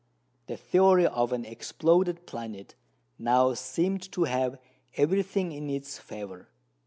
The theory of an exploded planet now seemed to have everything in its favour.